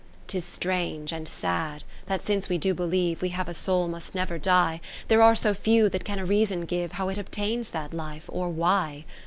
IV 'Tis strange and sad, that since we do believe We have a soul must never die, There are so few that can a reason give How it obtains that life, or why.